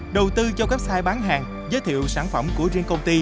đầu tư cho các site bán hàng giới thiệu sản phẩm của riêng công ty